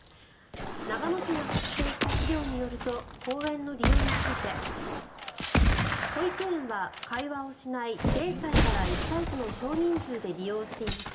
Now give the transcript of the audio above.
長野市が作成した資料によると公園の利用について保育園は会話をしない０歳から１歳児の少人数で利用していました。